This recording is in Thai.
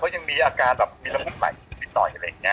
แต่ก็ยังมีอาการแบบมีละพุทธไหล่นิดหน่อยอะไรอย่างเงี้ย